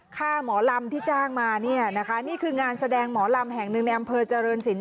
ค่าหมอลำที่จ้างมาเนี่ยนะคะนี่คืองานแสดงหมอลำแห่งหนึ่งในอำเภอเจริญศิลป